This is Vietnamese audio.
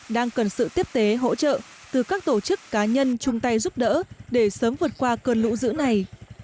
đang cần sự tiếp tế hỗ trợ từ các tổ chức cá nhân chung tay giúp đỡ để sớm vượt qua cơn lũ dữ này